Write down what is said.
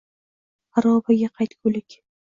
Xarobaga qaytgulik.